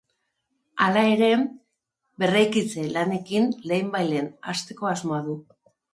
Hala ere, berreraikitze lanekin lehenbailehen hasteko asmoa du.